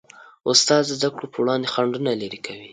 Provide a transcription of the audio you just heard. استاد د زدهکړو په وړاندې خنډونه لیرې کوي.